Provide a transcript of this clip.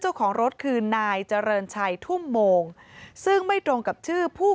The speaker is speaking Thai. เจ้าของรถคือนายเจริญชัยทุ่มโมงซึ่งไม่ตรงกับชื่อผู้